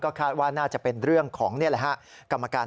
ก็คาดว่าน่าจะเป็นเรื่องของกรรมการ